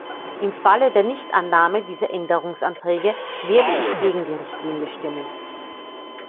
Im Falle der Nichtannahme dieser Änderungsanträge werde ich gegen die Richtlinie stimmen.